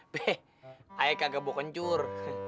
be ayo kagak bau kencur